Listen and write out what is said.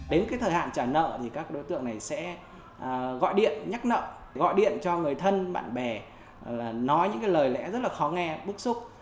đến thời hạn trả nợ các đối tượng này sẽ gọi điện nhắc nợ gọi điện cho người thân bạn bè nói những lời lẽ rất khó nghe bức xúc